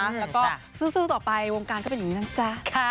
แล้วก็สู้ต่อไปวงการก็เป็นอย่างนี้นะจ๊ะ